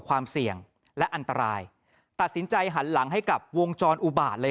ความเสี่ยงและอันตรายตัดสินใจหันหลังให้กับวงจรอุบาตเลย